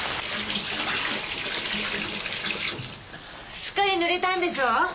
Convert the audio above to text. すっかりぬれたんでしょ？